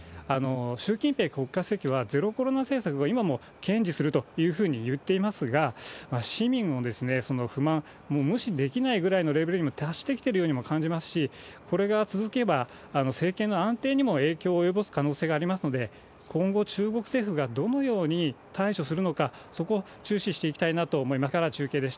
習近平国家主席は、ゼロコロナ政策を今も堅持するというふうに言っていますが、市民のその不満を無視できないぐらいのレベルにもう達してきてるようにも感じますし、これが続けば、政権の安定にも影響を及ぼす可能性がありますので、今後、中国政府がどのように対処するのか、そこを注視していきたいなと思います。